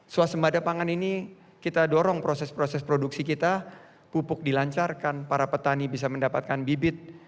suasembada pangan ini kita dorong proses proses produksi kita pupuk dilancarkan para petani bisa mendapatkan bibit